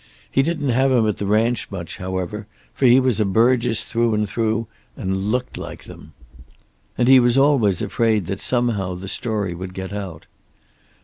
He didn't have him at the ranch much, however, for he was a Burgess through and through and looked like them. And he was always afraid that somehow the story would get out.